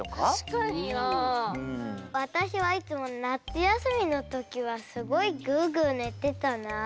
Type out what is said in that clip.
わたしはいつもなつやすみのときはすごいググねてたなあ。